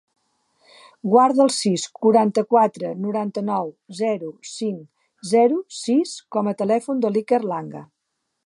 Guarda el sis, quaranta-quatre, noranta-nou, zero, cinc, zero, sis com a telèfon de l'Iker Langa.